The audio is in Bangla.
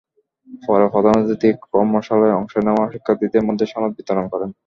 পরে প্রধান অতিথি কর্মশালায় অংশ নেওয়া শিক্ষার্থীদের মধ্যে সনদ বিতরণ করেন।